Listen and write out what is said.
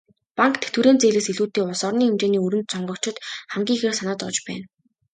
Банк, тэтгэврийн зээлээс илүүтэй улс орны хэмжээний өрөнд сонгогчид хамгийн ихээр санаа зовж байна.